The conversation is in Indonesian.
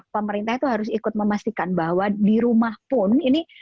pemerintah itu harus ikut memastikan bahwa di rumah pun ini